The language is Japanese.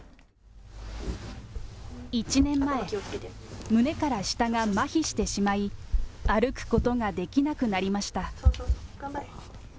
１年前、胸から下がまひしてしまい、歩くことができなくなりました。